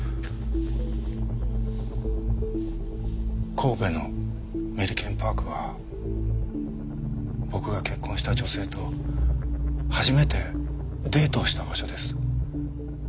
神戸のメリケンパークは僕が結婚した女性と初めてデートをした場所です。